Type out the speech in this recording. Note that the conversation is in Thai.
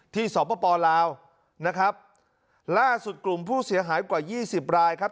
สปลาวนะครับล่าสุดกลุ่มผู้เสียหายกว่ายี่สิบรายครับ